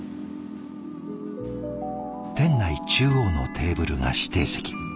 店内中央のテーブルが指定席。